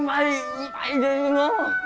うまいですのう！